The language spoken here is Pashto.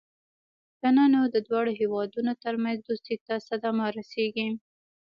کنه نو د دواړو هېوادونو ترمنځ دوستۍ ته صدمه رسېږي.